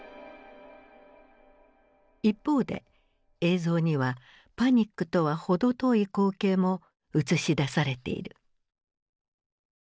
一方で映像にはパニックとは程遠い光景も映し出されている。